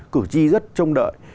cử tri rất trông đợi